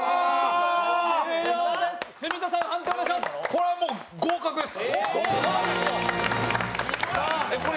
これはもう合格です！